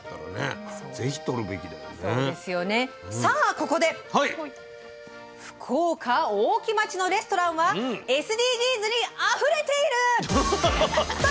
ここで「福岡大木町のレストランはＳＤＧｓにあふれてる⁉」ということで。